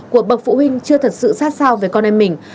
của bậc phụ huynh chưa thật sự sát sao về con em mình